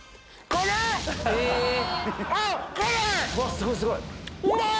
すごいすごい！